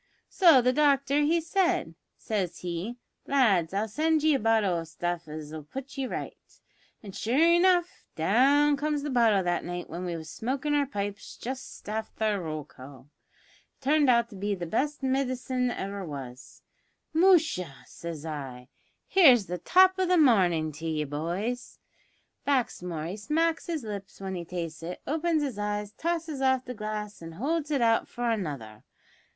So the doctor he said, says he, `Lads, I'll send ye a bottle o' stuff as'll put ye right.' An' sure enough down comes the bottle that night when we was smokin' our pipes just afther roll call. It turned out to be the best midcine ever was. `Musha!' says I, `here's the top o' the marnin' to ye, boys!' Baxmore he smacks his lips when he tastes it, opens his eyes, tosses off the glass, and holds it out for another.